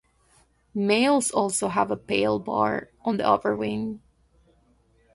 Males also have a pale bar on the upper wing.